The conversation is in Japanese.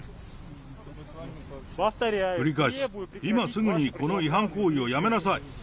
今すぐにこの違反行為をやめなさい。